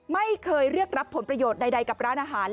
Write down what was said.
ไม่เคยเรียกรับผลประโยชน์ใดกับร้านอาหาร